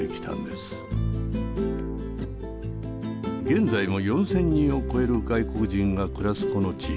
現在も４，０００人を超える外国人が暮らすこの地域。